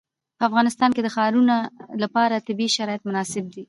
په افغانستان کې د ښارونه لپاره طبیعي شرایط مناسب دي.